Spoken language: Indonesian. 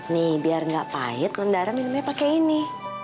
nih biar gak pahit nondara minumnya pake ini